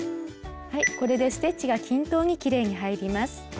これでステッチが均等にきれいに入ります。